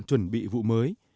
chuẩn bị vụ mới